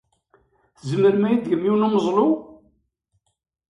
Tzemrem ad iyi-tgem yiwen n umeẓlu?